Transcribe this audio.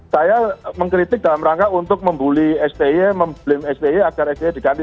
saya mengkritik dalam rangka untuk membuli sti memblem sti agar sby diganti